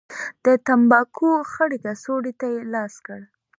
د تنباکو خړې کڅوړې ته يې لاس کړ.